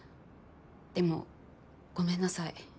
でもごめんなさい。